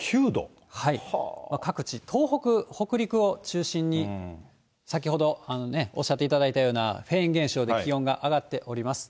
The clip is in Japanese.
各地、東北、北陸を中心に、先ほどおっしゃっていただいたようなフェーン現象で気温が上がっております。